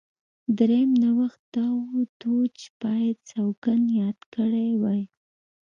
درېیم نوښت دا و دوج باید سوګند یاد کړی وای.